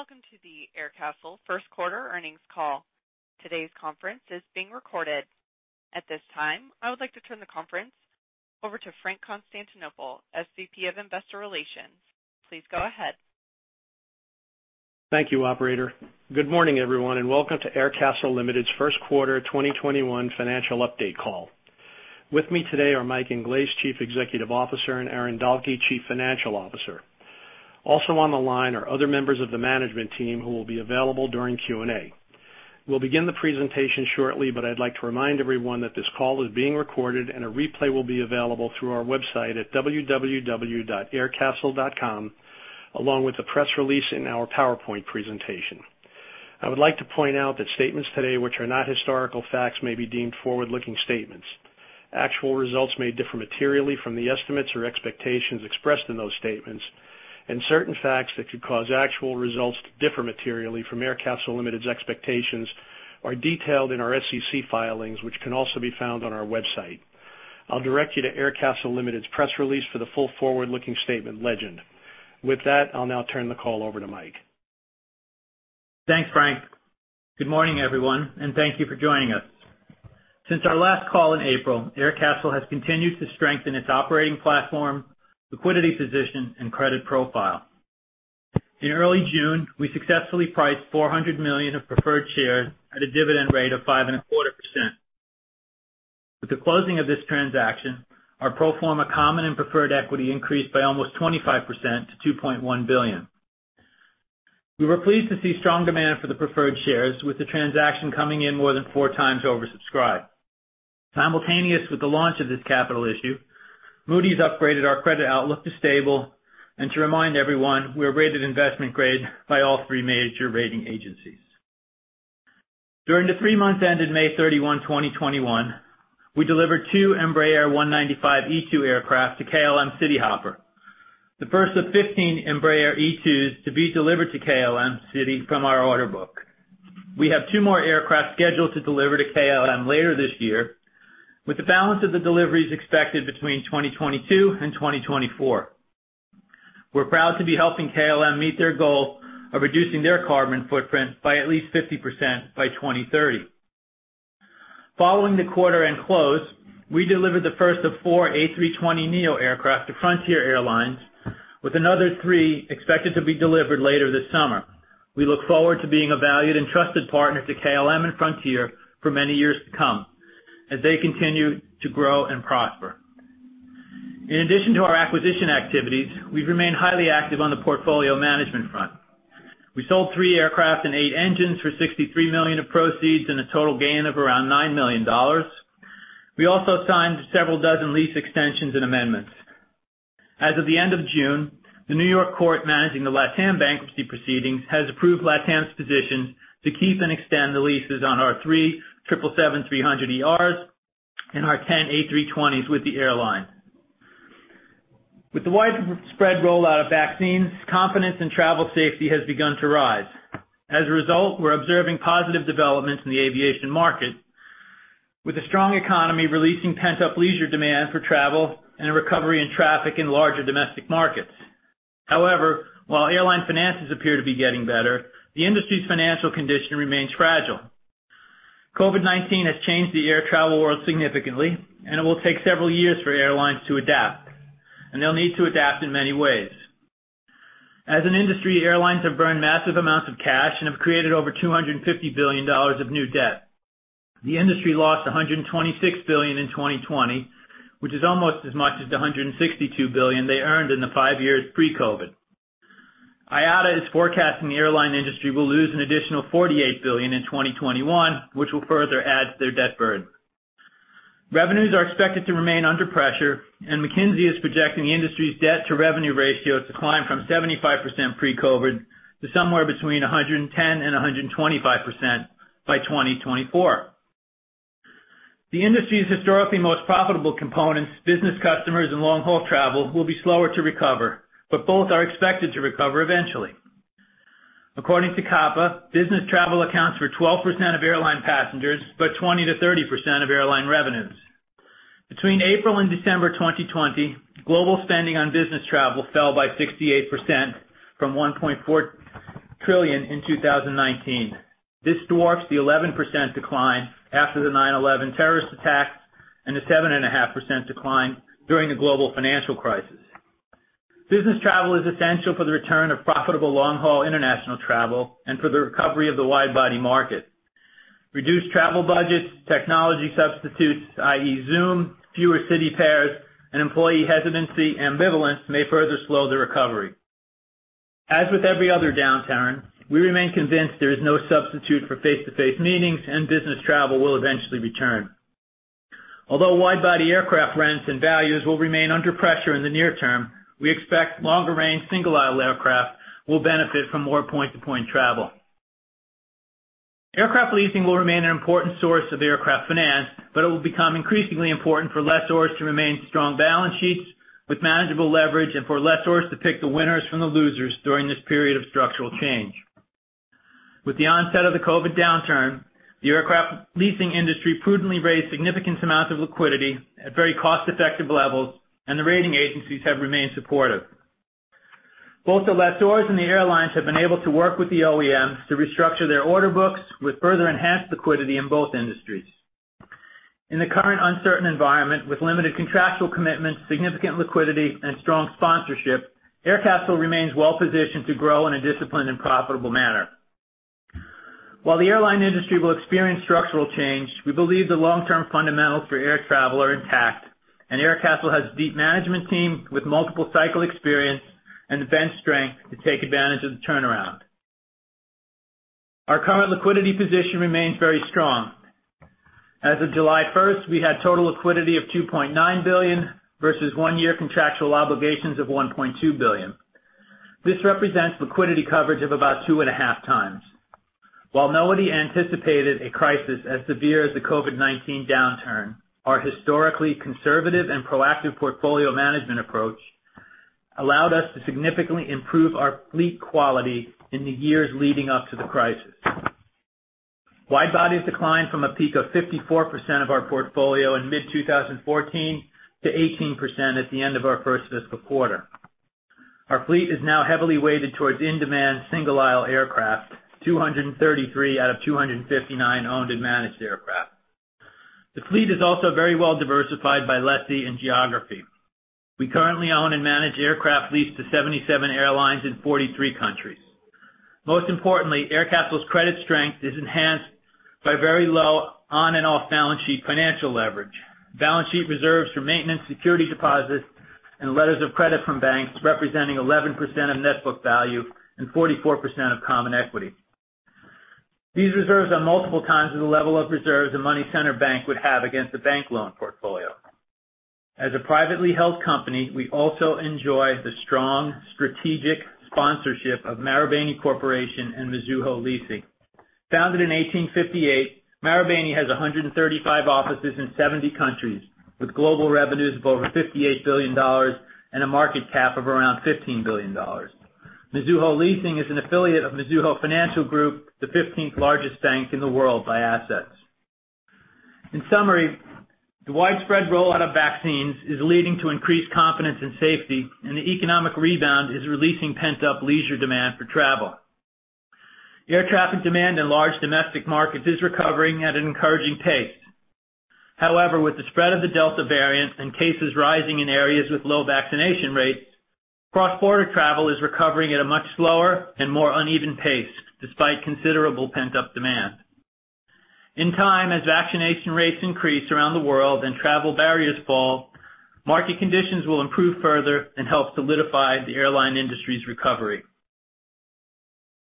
Welcome to the Aircastle first quarter earnings call. Today's conference is being recorded. At this time, I would like to turn the conference over to Frank Constantinople, SVP of Investor Relations. Please go ahead. Thank you operator. Good morning everyone and welcome to Aircastle Limited's first quarter 2021 financial update call. With me today are Mike Inglese, Chief Executive Officer, and Aaron Dahlke, Chief Financial Officer. Also on the line are other members of the management team who will be available during Q&A. We'll begin the presentation shortly, but I'd like to remind everyone that this call is being recorded and a replay will be available through our website at www.aircastle.com, along with the press release and our PowerPoint presentation. I would like to point out that statements today which are not historical facts may be deemed forward-looking statements. Actual results may differ materially from the estimates or expectations expressed in those statements, and certain facts that could cause actual results to differ materially from Aircastle Limited's expectations are detailed in our SEC filings, which can also be found on our website. I'll direct you to Aircastle Limited's press release for the full forward-looking statement legend. With that, I'll now turn the call over to Mike. Thanks Frank. Good morning, everyone, and thank you for joining us. Since our last call in April, Aircastle has continued to strengthen its operating platform, liquidity position, and credit profile. In early June, we successfully priced $400 million of preferred shares at a dividend rate of 5.25%. With the closing of this transaction, our pro forma common and preferred equity increased by almost 25% to $2.1 billion. We were pleased to see strong demand for the preferred shares, with the transaction coming in more than four times oversubscribed. Simultaneous with the launch of this capital issue, Moody's upgraded our credit outlook to stable. To remind everyone, we're rated investment grade by all three major rating agencies. During the three months ended May 31, 2021, we delivered 2 Embraer 195-E2 aircraft to KLM Cityhopper, the first of 15 Embraer E2s to be delivered to KLM Cityhopper from our order book. We have two more aircraft scheduled to deliver to KLM later this year, with the balance of the deliveries expected between 2022 and 2024. We're proud to be helping KLM meet their goal of reducing their carbon footprint by at least 50% by 2030. Following the quarter-end close, we delivered the first of 4 A320neo aircraft to Frontier Airlines, with another three expected to be delivered later this summer. We look forward to being a valued and trusted partner to KLM and Frontier for many years to come as they continue to grow and prosper. In addition to our acquisition activities, we've remained highly active on the portfolio management front. We sold three aircraft and eight engines for $63 million of proceeds and a total gain of around $9 million. We also signed several dozen lease extensions and amendments. As of the end of June, the New York court managing the LATAM bankruptcy proceedings has approved LATAM's position to keep and extend the leases on our 3 777-300ERs and our 10 A320s with the airline. With the widespread rollout of vaccines, confidence in travel safety has begun to rise. As a result, we're observing positive developments in the aviation market, with a strong economy releasing pent-up leisure demand for travel and a recovery in traffic in larger domestic markets. While airline finances appear to be getting better, the industry's financial condition remains fragile. COVID-19 has changed the air travel world significantly, and it will take several years for airlines to adapt, and they'll need to adapt in many ways. As an industry, airlines have burned massive amounts of cash and have created over $250 billion of new debt. The industry lost $126 billion in 2020, which is almost as much as the $162 billion they earned in the five years pre-COVID-19. IATA is forecasting the airline industry will lose an additional $48 billion in 2021, which will further add to their debt burden. Revenues are expected to remain under pressure. McKinsey is projecting the industry's debt-to-revenue ratio to decline from 75% pre-COVID-19 to somewhere between 110% and 125% by 2024. The industry's historically most profitable components, business customers, and long-haul travel will be slower to recover, but both are expected to recover eventually. According to CAPA, business travel accounts for 12% of airline passengers, but 20%-30% of airline revenues. Between April and December 2020, global spending on business travel fell by 68% from $1.4 trillion in 2019. This dwarfs the 11% decline after the September 11th, terrorist attacks and the 7.5% decline during the global financial crisis. Business travel is essential for the return of profitable long-haul international travel and for the recovery of the wide-body market. Reduced travel budgets, technology substitutes, i.e., Zoom, fewer city pairs, and employee hesitancy ambivalence may further slow the recovery. As with every other downturn, we remain convinced there is no substitute for face-to-face meetings and business travel will eventually return. Although wide-body aircraft rents and values will remain under pressure in the near term, we expect longer-range single-aisle aircraft will benefit from more point-to-point travel. Aircraft leasing will remain an important source of aircraft finance, but it will become increasingly important for lessors to remain strong balance sheets with manageable leverage and for lessors to pick the winners from the losers during this period of structural change. With the onset of the COVID downturn, the aircraft leasing industry prudently raised significant amounts of liquidity at very cost-effective levels, and the rating agencies have remained supportive. Both the lessors and the airlines have been able to work with the OEMs to restructure their order books with further enhanced liquidity in both industries. In the current uncertain environment with limited contractual commitments, significant liquidity, and strong sponsorship, Aircastle remains well-positioned to grow in a disciplined and profitable manner. While the airline industry will experience structural change, we believe the long-term fundamentals for air travel are intact, and Aircastle has a deep management team with multiple cycle experience and the bench strength to take advantage of the turnaround. Our current liquidity position remains very strong. As of July 1st, we had total liquidity of $2.9 billion versus one-year contractual obligations of $1.2 billion. This represents liquidity coverage of about 2.5x. While nobody anticipated a crisis as severe as the COVID-19 downturn, our historically conservative and proactive portfolio management approach allowed us to significantly improve our fleet quality in the years leading up to the crisis. Wide-bodies declined from a peak of 54% of our portfolio in mid-2014 to 18% at the end of our first fiscal quarter. Our fleet is now heavily weighted towards in-demand single-aisle aircraft, 233 out of 259 owned and managed aircraft. The fleet is also very well diversified by lessee and geography. We currently own and manage aircraft leased to 77 airlines in 43 countries. Most importantly, Aircastle's credit strength is enhanced by very low on and off-balance sheet financial leverage, balance sheet reserves for maintenance security deposits, and letters of credit from banks representing 11% of net book value and 44% of common equity. These reserves are multiple times the level of reserves a money center bank would have against a bank loan portfolio. As a privately held company, we also enjoy the strong strategic sponsorship of Marubeni Corporation and Mizuho Leasing. Founded in 1858, Marubeni has 135 offices in 70 countries with global revenues of over $58 billion and a market cap of around $15 billion. Mizuho Leasing is an affiliate of Mizuho Financial Group, the 15th largest bank in the world by assets. In summary, the widespread rollout of vaccines is leading to increased confidence and safety, and the economic rebound is releasing pent-up leisure demand for travel. Air traffic demand in large domestic markets is recovering at an encouraging pace. However, with the spread of the Delta variant and cases rising in areas with low vaccination rates, cross-border travel is recovering at a much slower and more uneven pace despite considerable pent-up demand. In time, as vaccination rates increase around the world and travel barriers fall, market conditions will improve further and help solidify the airline industry's recovery.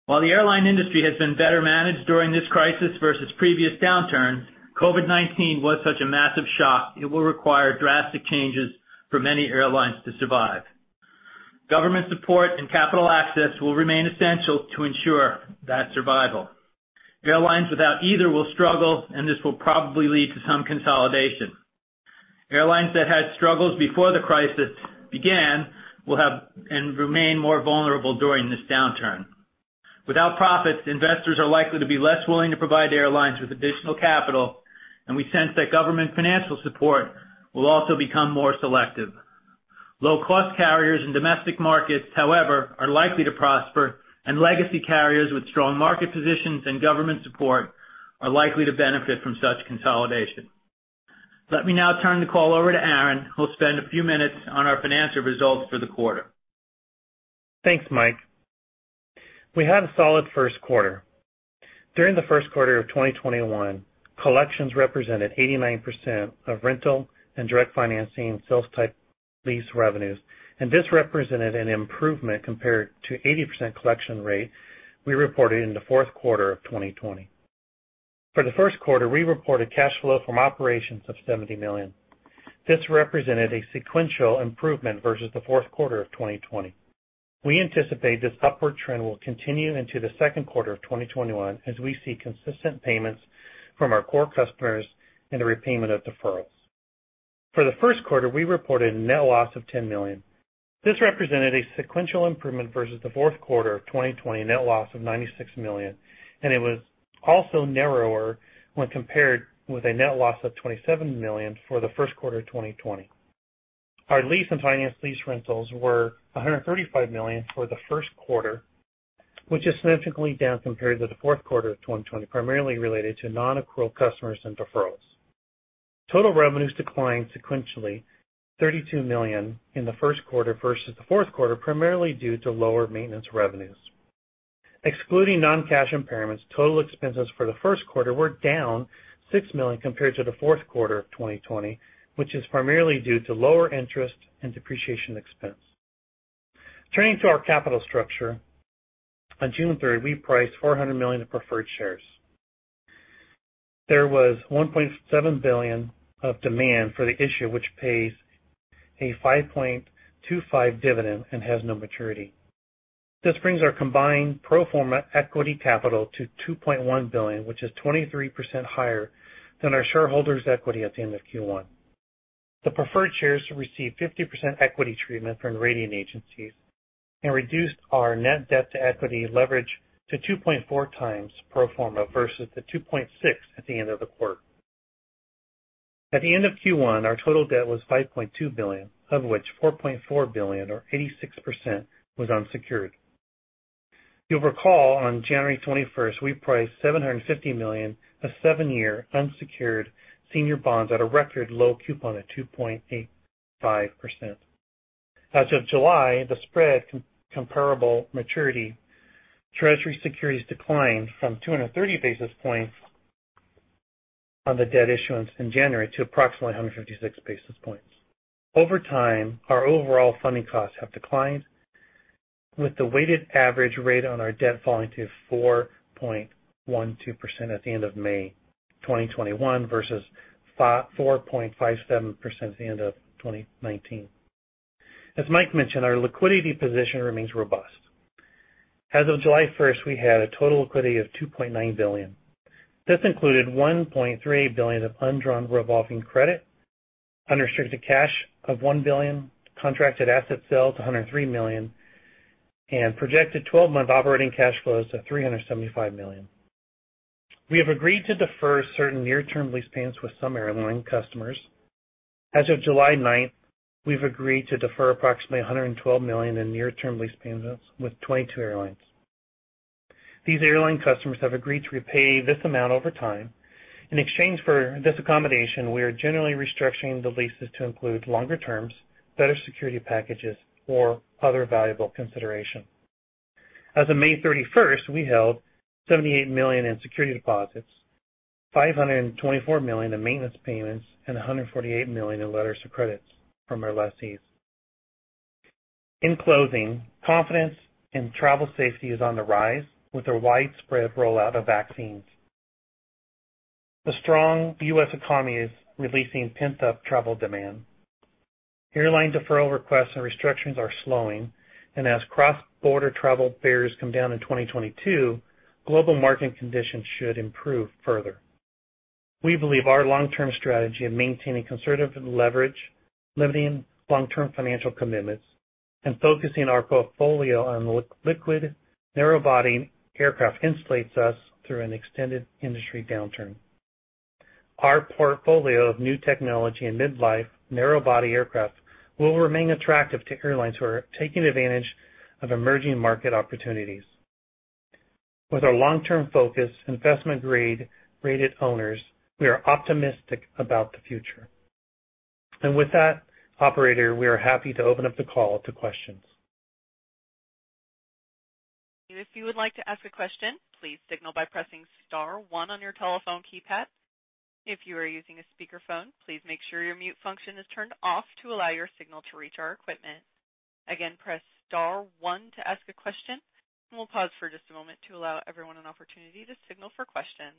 While the airline industry has been better managed during this crisis versus previous downturns, COVID-19 was such a massive shock, it will require drastic changes for many airlines to survive. Government support and capital access will remain essential to ensure that survival. Airlines without either will struggle, and this will probably lead to some consolidation. Airlines that had struggles before the crisis began will have and remain more vulnerable during this downturn. Without profits, investors are likely to be less willing to provide airlines with additional capital, and we sense that government financial support will also become more selective. Low-cost carriers in domestic markets, however, are likely to prosper, and legacy carriers with strong market positions and government support are likely to benefit from such consolidation. Let me now turn the call over to Aaron, who'll spend a few minutes on our financial results for the quarter. Thanks Mike. We had a solid first quarter. During the first quarter of 2021, collections represented 89% of rental and direct financing sales-type lease revenues, and this represented an improvement compared to 80% collection rate we reported in the fourth quarter of 2020. For the first quarter, we reported cash flow from operations of $70 million. This represented a sequential improvement versus the fourth quarter of 2020. We anticipate this upward trend will continue into the second quarter of 2021 as we see consistent payments from our core customers and the repayment of deferrals. For the first quarter, we reported a net loss of $10 million. This represented a sequential improvement versus the fourth quarter of 2020 net loss of $96 million, and it was also narrower when compared with a net loss of $27 million for the first quarter 2020. Our lease and finance lease rentals were $135 million for the first quarter, which is significantly down compared to the fourth quarter of 2020, primarily related to non-accrual customers and deferrals. Total revenues declined sequentially $32 million in the first quarter versus the fourth quarter, primarily due to lower maintenance revenues. Excluding non-cash impairments, total expenses for the first quarter were down $6 million compared to the fourth quarter of 2020, which is primarily due to lower interest and depreciation expense. Turning to our capital structure. On June 30, we priced $400 million of preferred shares. There was $1.7 billion of demand for the issue, which pays a 5.25% dividend and has no maturity. This brings our combined pro forma equity capital to $2.1 billion, which is 23% higher than our shareholders' equity at the end of Q1. The preferred shares receive 50% equity treatment from the rating agencies and reduced our net debt to equity leverage to 2.4x pro forma versus the 2.6x at the end of the quarter. At the end of Q1, our total debt was $5.2 billion, of which $4.4 billion or 86% was unsecured. You'll recall, on January 21st, we priced $750 million of seven-year unsecured senior bonds at a record low coupon of 2.85%. As of July, the spread comparable maturity treasury securities declined from 230 basis points on the debt issuance in January to approximately 156 basis points. Over time, our overall funding costs have declined, with the weighted average rate on our debt falling to 4.12% at the end of May 2021 versus 4.57% at the end of 2019. As Mike mentioned, our liquidity position remains robust. As of July 1st, we had a total liquidity of $2.9 billion. This included $1.3 billion of undrawn revolving credit, unrestricted cash of $1 billion, contracted asset sales, $103 million, and projected 12-month operating cash flows of $375 million. We have agreed to defer certain near-term lease payments with some airline customers. As of July 9th, we've agreed to defer approximately $112 million in near-term lease payments with 22 airlines. These airline customers have agreed to repay this amount over time. In exchange for this accommodation, we are generally restructuring the leases to include longer terms, better security packages, or other valuable consideration. As of May 31st, we held $78 million in security deposits, $524 million in maintenance payments, and $148 million in letters of credits from our lessees. In closing, confidence in travel safety is on the rise with our widespread rollout of vaccines. The strong US economy is releasing pent-up travel demand. As cross-border travel fares come down in 2022, global market conditions should improve further. We believe our long-term strategy of maintaining conservative leverage, limiting long-term financial commitments, and focusing our portfolio on liquid narrow-body aircraft insulates us through an extended industry downturn. Our portfolio of new technology and mid-life narrow-body aircraft will remain attractive to airlines who are taking advantage of emerging market opportunities. With our long-term focus, investment-grade rated owners, we are optimistic about the future. With that, operator we are happy to open up the call to questions. If you would like to ask a question, please signal by pressing star one on your telephone keypad. If you are using a speakerphone, please make sure your mute function is turned off to allow your signal to reach our equipment. Again, press star one to ask a question. We'll pause for just a moment to allow everyone an opportunity to signal for questions.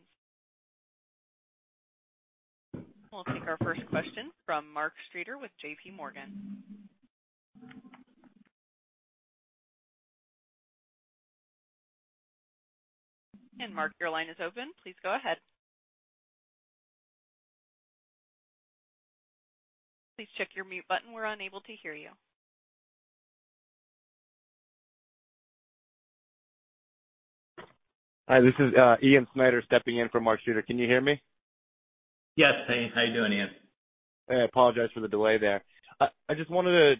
We'll take our first question from Mark Streeter with J.P. Morgan. Mark your line is open. Please go ahead. Please check your mute button. We're unable to hear you. Hi, this is Ian Snyder stepping in for Mark Streeter. Can you hear me? Yes. Hey. How you doing, Ian? Hey,I apologize for the delay there. I just wanted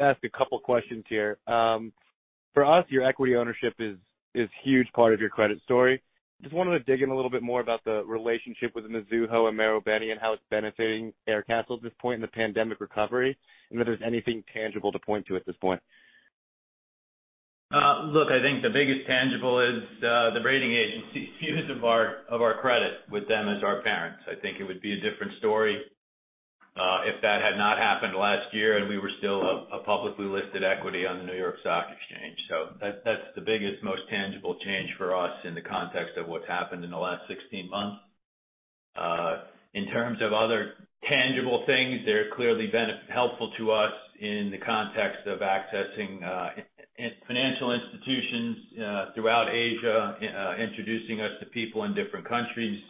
to ask a couple questions here. For us, your equity ownership is huge part of your credit story. Just wanted to dig in a little bit more about the relationship within the Mizuho and Marubeni and how it's benefiting Aircastle at this point in the pandemic recovery, and if there's anything tangible to point to at this point. Look, I think the biggest tangible is the rating agencies' views of our credit with them as our parents. I think it would be a different story if that had not happened last year and we were still a publicly listed equity on the New York Stock Exchange. That's the biggest, most tangible change for us in the context of what's happened in the last 16 months. In terms of other tangible things, they're clearly helpful to us in the context of accessing financial institutions throughout Asia, introducing us to people in different countries,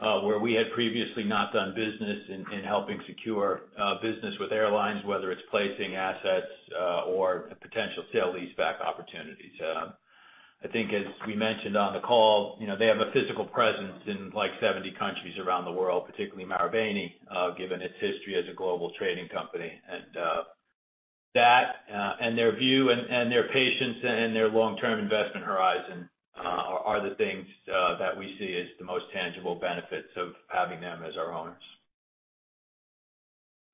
where we had previously not done business, and helping secure business with airlines, whether it's placing assets or potential sale-leaseback opportunities. I think as we mentioned on the call, they have a physical presence in, like, 70 countries around the world, particularly Marubeni, given its history as a global trading company. That, and their view, and their patience, and their long-term investment horizon are the things that we see as the most tangible benefits of having them as our owners.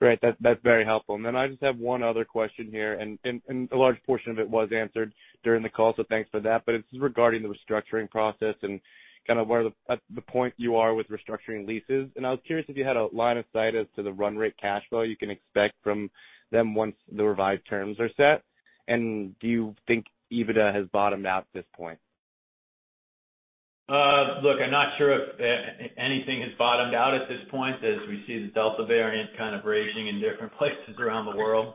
Great. That's very helpful. Then I just have one other question here, a large portion of it was answered during the call, so thanks for that, it's regarding the restructuring process and kind of where at the point you are with restructuring leases. I was curious if you had a line of sight as to the run rate cash flow you can expect from them once the revised terms are set. Do you think EBITDA has bottomed out at this point? Look, I'm not sure if anything has bottomed out at this point, as we see the Delta variant kind of raging in different places around the world.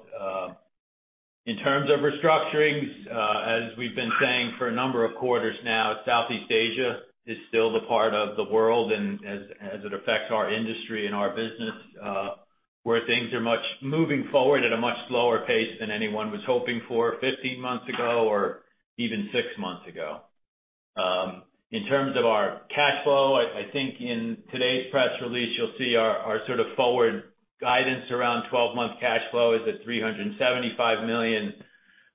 In terms of restructurings, as we've been saying for a number of quarters now, Southeast Asia is still the part of the world, and as it affects our industry and our business, where things are moving forward at a much slower pace than anyone was hoping for 15 months ago, or even six months ago. In terms of our cash flow, I think in today's press release, you'll see our sort of forward guidance around 12-month cash flow is at $375 million.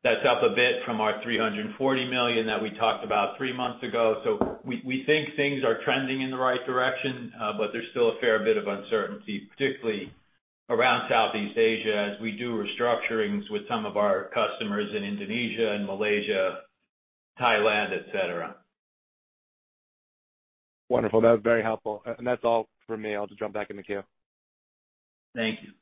That's up a bit from our $340 million that we talked about three months ago. We think things are trending in the right direction. There's still a fair bit of uncertainty, particularly around Southeast Asia as we do restructurings with some of our customers in Indonesia and Malaysia, Thailand, et cetera. Wonderful. That was very helpful. That's all from me. I'll just jump back in the queue. Thank you.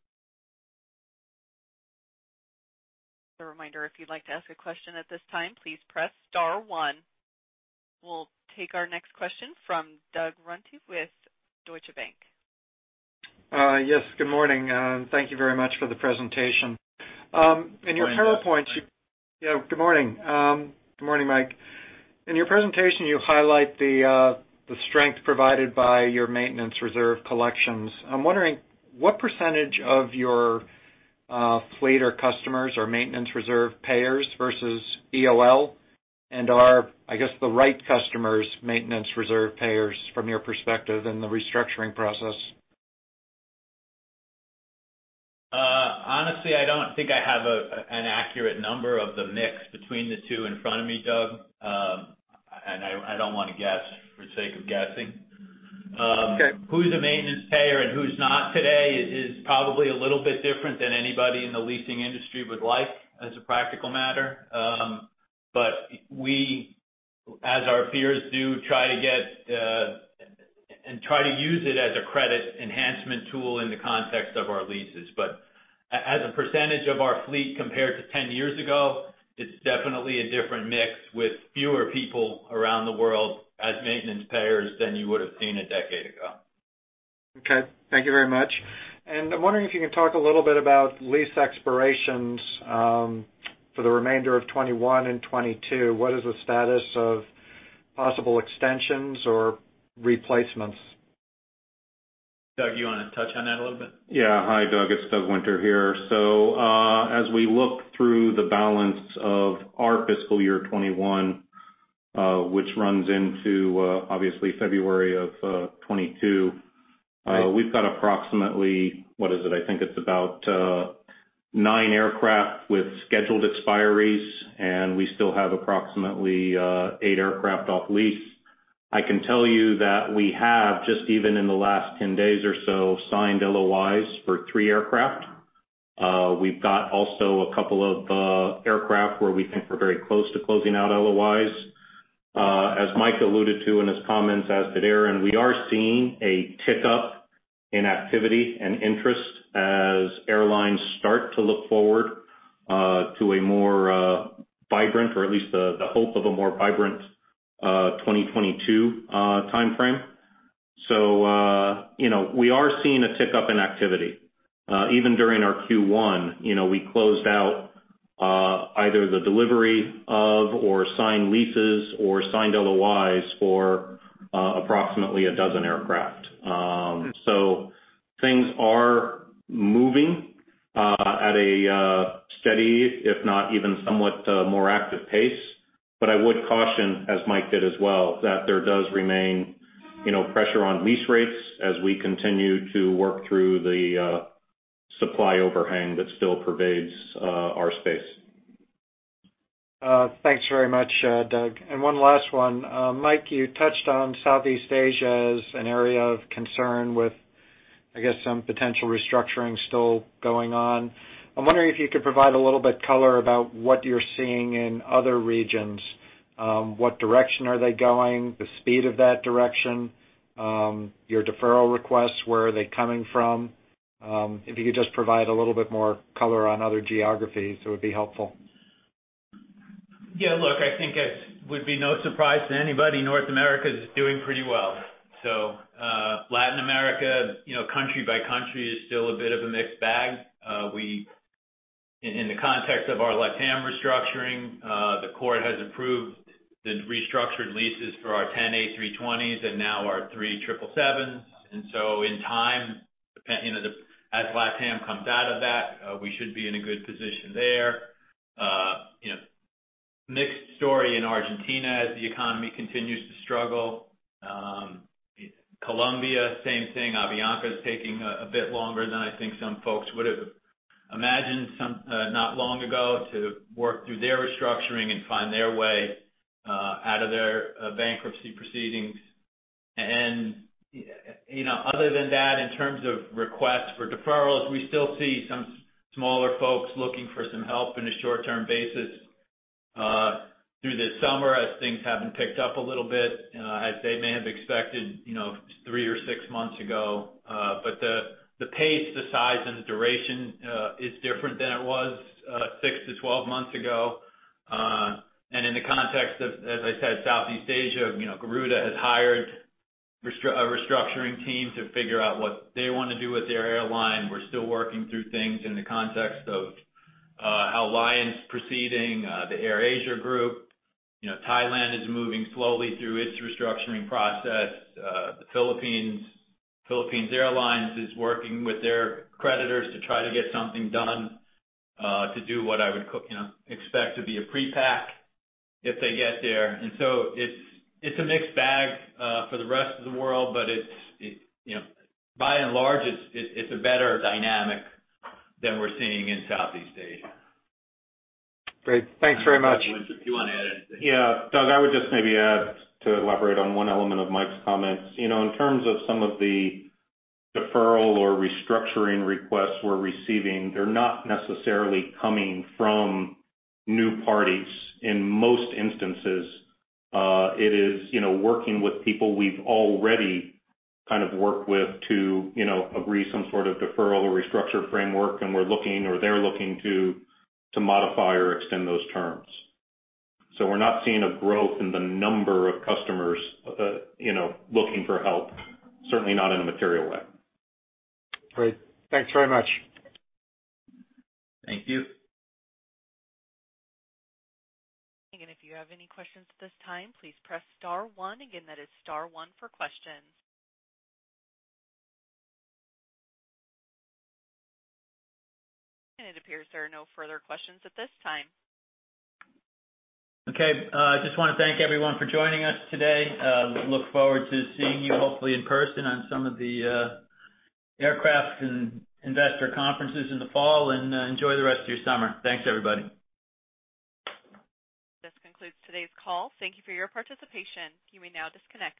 We'll take our next question from Doug Runte with Deutsche Bank. Yes good morning. Thank you very much for the presentation. Good morning Doug. Yeah. Good morning. Good morning Mike. In your presentation, you highlight the strength provided by your maintenance reserve collections. I'm wondering, what percentage of your fleet or customers are maintenance reserve payers versus EOL, and are, I guess, the right customers maintenance reserve payers from your perspective in the restructuring process? Honestly, I don't think I have an accurate number of the mix between the two in front of me, Doug. I don't want to guess for sake of guessing. Okay. Who's a maintenance payer and who's not today is probably a little bit different than anybody in the leasing industry would like as a practical matter. We, as our peers do, try to get and try to use it as a credit enhancement tool in the context of our leases. As a percentage of our fleet compared to 10 years ago, it's definitely a different mix with fewer people around the world as maintenance payers than you would've seen a decade ago. Okay. Thank you very much. I'm wondering if you could talk a little bit about lease expirations, for the remainder of 2021 and 2022. What is the status of possible extensions or replacements? Doug you want to touch on that a little bit? Yeah. Hi Doug. It's Doug Winter here. As we look through the balance of our fiscal year 2021, which runs into, obviously, February of 2022. Right We've got approximately, what is it? I think it's about nine aircraft with scheduled expiries, and we still have approximately eight aircraft off lease. I can tell you that we have, just even in the last 10 days or so, signed LOIs for three aircraft. We've got also a couple of aircraft where we think we're very close to closing out LOIs. As Mike Inglese alluded to in his comments, as did Aaron Dahlke, we are seeing a tick-up in activity and interest as airlines start to look forward to a more vibrant, or at least the hope of a more vibrant, 2022 timeframe. We are seeing a tick-up in activity. Even during our Q1, we closed out either the delivery of, or signed leases or signed LOIs for approximately 12 aircraft. Okay. Things are moving at a steady, if not even somewhat more active pace. I would caution, as Mike did as well, that there does remain pressure on lease rates as we continue to work through the supply overhang that still pervades our space. Thanks very much Doug. One last one. Mike you touched on Southeast Asia as an area of concern with, I guess, some potential restructuring still going on. I'm wondering if you could provide a little bit color about what you're seeing in other regions. What direction are they going? The speed of that direction. Your deferral requests, where are they coming from? If you could just provide a little bit more color on other geographies, it would be helpful. Look, I think it would be no surprise to anybody, North America is doing pretty well. Latin America, country by country is still a bit of a mixed bag. In the context of our LATAM restructuring, the court has approved the restructured leases for our 10 A320s and now our three 777s. In time, as LATAM comes out of that, we should be in a good position there. Mixed story in Argentina as the economy continues to struggle. Colombia, same thing. Avianca's taking a bit longer than I think some folks would've imagined, not long ago, to work through their restructuring and find their way out of their bankruptcy proceedings. Other than that, in terms of requests for deferrals, we still see some smaller folks looking for some help in a short-term basis through the summer as things haven't picked up a little bit, as they may have expected 3 or 6 months ago. The pace, the size, and the duration is different than it was 6-12 months ago. Context of, as I said, Southeast Asia, Garuda has hired a restructuring team to figure out what they want to do with their airline. We're still working through things in the context of alliance proceeding, the AirAsia Group. Thailand is moving slowly through its restructuring process. The Philippine Airlines is working with their creditors to try to get something done, to do what I would expect to be a pre-pack if they get there. It's a mixed bag for the rest of the world, but by and large, it's a better dynamic than we're seeing in Southeast Asia. Great. Thanks very much. Doug, if you want to add anything. Doug, I would just maybe add, to elaborate on one element of Mike's comments. In terms of some of the deferral or restructuring requests we're receiving, they're not necessarily coming from new parties. In most instances, it is working with people we've already worked with to agree some sort of deferral or restructure framework, and we're looking or they're looking to modify or extend those terms. We're not seeing a growth in the number of customers looking for help, certainly not in a material way. Great. Thanks very much. Thank you. Again, if you have any questions at this time, please press star one. Again, that is star one for questions. It appears there are no further questions at this time. Okay. I just want to thank everyone for joining us today. Look forward to seeing you hopefully in person on some of the aircraft and investor conferences in the fall, and enjoy the rest of your summer. Thanks, everybody. This concludes today's call. Thank you for your participation. You may now disconnect.